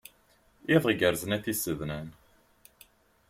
Iḍ igerrzen a tisednan.